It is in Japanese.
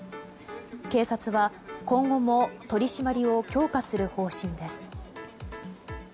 警察は、今後も取り締まりを強化する方針です。